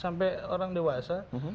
sampai orang dewasa